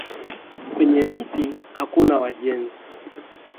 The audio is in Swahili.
Kwenye miti hakuna wajenzi